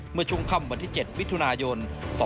เมื่อชงคำวันที่๗วิทยุนายน๒๕๕๘